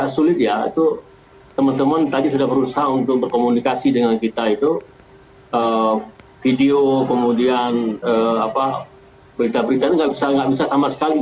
video kemudian berita berita itu tidak bisa sama sekali